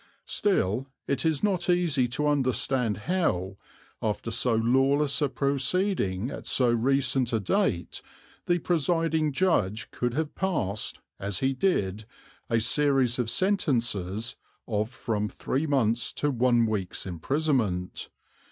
Still it is not easy to understand how, after so lawless a proceeding at so recent a date, the presiding judge could have passed, as he did, a series of sentences of from three months' to one week's imprisonment.